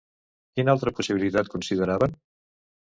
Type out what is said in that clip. Quina altra possibilitat consideraven?